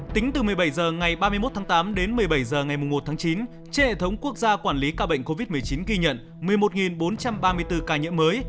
tính từ một mươi bảy h ngày ba mươi một tháng tám đến một mươi bảy h ngày một tháng chín trên hệ thống quốc gia quản lý ca bệnh covid một mươi chín ghi nhận một mươi một bốn trăm ba mươi bốn ca nhiễm mới